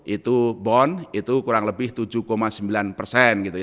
itu bond itu kurang lebih tujuh sembilan persen gitu ya